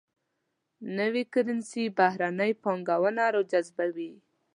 نوي کرنسي بهرنۍ پانګونه راجذبوي.